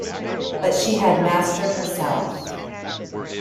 But she had mastered herself.